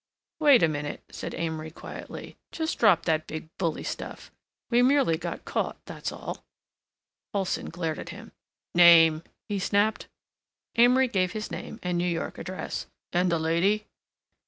"Wait a minute," said Amory quietly. "Just drop that big bully stuff. We merely got caught, that's all." Olson glared at him. "Name?" he snapped. Amory gave his name and New York address. "And the lady?"